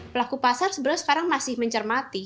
pelaku pasar sebenarnya sekarang masih mencermati